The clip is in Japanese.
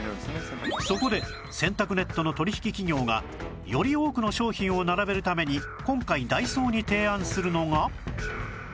そこで洗濯ネットの取引企業がより多くの商品を並べるために今回ダイソーに提案するのが